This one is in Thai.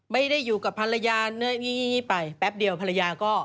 ไม่ได้อยู่กับภรรยางี่ไปแป๊บเดียวภรรยาก็